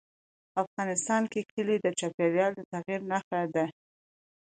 افغانستان کې کلي د چاپېریال د تغیر نښه ده.